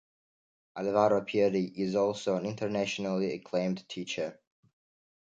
Alvaro Pierri is also an internationally acclaimed teacher.